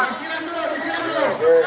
disini dulu disini dulu